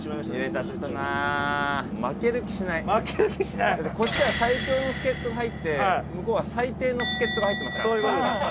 だってこっちは最強の助っ人が入って向こうは最低の助っ人が入ってますからね。